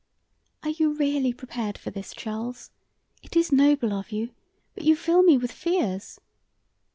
"Are you really prepared for this, Charles? It is noble of you, but you fill me with fears."